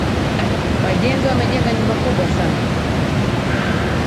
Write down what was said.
Wajenzi wamejenga nyumba kubwa sana